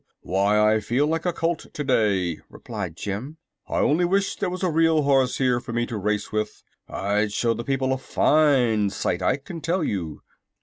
Why, I feel like a colt today," replied Jim. "I only wish there was a real horse here for me to race with. I'd show the people a fine sight, I can tell you."